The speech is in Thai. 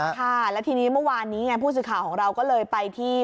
ค่ะแล้วทีนี้เมื่อวานนี้ไงผู้สื่อข่าวของเราก็เลยไปที่